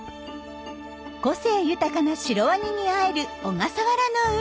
個性豊かなシロワニに会える小笠原の海。